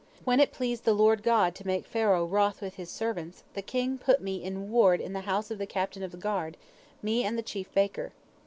When it pleased the Lord God to make Pharaoh wroth with his servants, the king put me in ward in the house of the captain of the guard, me and the chief baker.